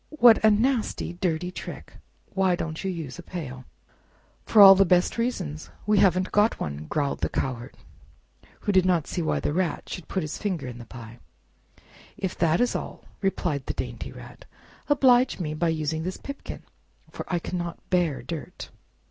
"What a nasty, dirty trick! Why don't you use a pail?" "For the best of all reasons—we haven't got one!" growled the Cowherd, who did not see why the Rat should put his finger in the pie. "If that is all," replied the dainty Rat, "oblige me by using this pipkin, for I cannot bear dirt!"